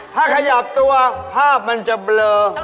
ถ้าขยับตัวภาพมันจะเบลอ